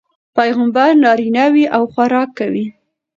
پيغمبر نارينه وي او خوراک کوي